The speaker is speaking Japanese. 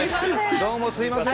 どうもすみません。